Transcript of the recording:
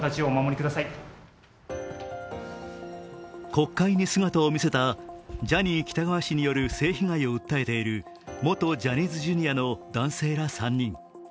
国会に姿を見せたジャニー喜多川氏による性被害を訴えている元ジャニーズＪｒ．の男性ら３人。